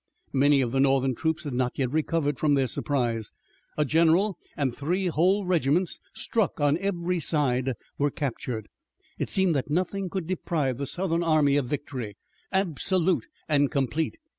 Many of the Northern troops had not yet recovered from their surprise. A general and three whole regiments, struck on every side, were captured. It seemed that nothing could deprive the Southern army of victory, absolute and complete.